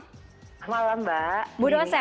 selamat malam mbak